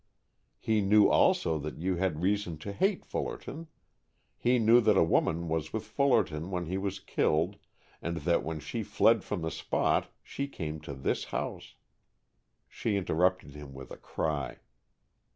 He knew, also, that you had reason to hate Fullerton, he knew that a woman was with Fullerton when he was killed and that when she fled from the spot she came to this house " She interrupted him with a cry.